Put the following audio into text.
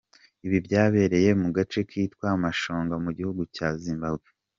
Ibi byabereye mu gace kitwa Mashonga mu gihugu cya Zimbabwe.